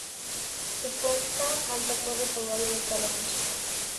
Su cuenca alta corre por el valle de Calamuchita.